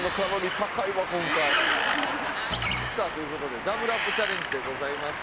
さあという事でＷアップチャレンジでございます。